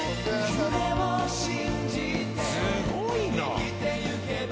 すごいな。